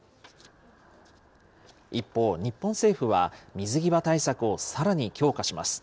一方、日本政府は、水際対策をさらに強化します。